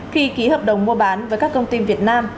khi ký hợp đồng mua bán với các công ty việt nam